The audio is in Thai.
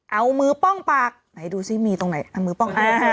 เอามือป้องปากไหนดูสิมีตรงไหนเอามือป้องหน้า